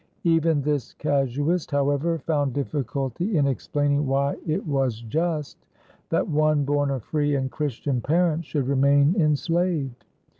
Even this casuist, however, found difficulty in explaining why it was just that one born of free and Christian parents should remain enslaved.